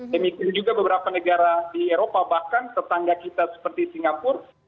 demikian juga beberapa negara di eropa bahkan tetangga kita seperti singapura